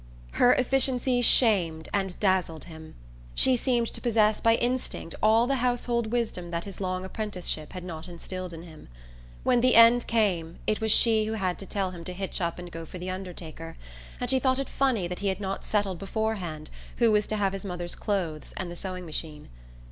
Her efficiency shamed and dazzled him. She seemed to possess by instinct all the household wisdom that his long apprenticeship had not instilled in him. When the end came it was she who had to tell him to hitch up and go for the undertaker, and she thought it "funny" that he had not settled beforehand who was to have his mother's clothes and the sewing machine.